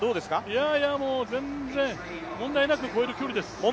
いや、全然問題なく越える距離です。